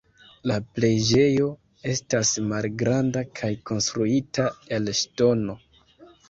La preĝejo estas malgranda kaj konstruita el ŝtono.